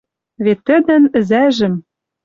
Вет тӹдӹн ӹзажӹм